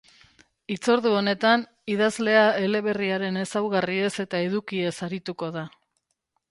Hitzordu honetan, idazlea eleberriaren ezaugarriez eta edukiez arituko da.